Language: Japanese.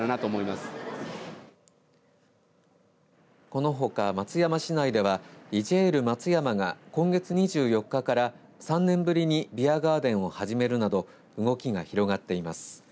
このほか、松山市内ではリジェール松山が今月２４日から３年ぶりにビアガーデンを始めるなど動きが広がっています。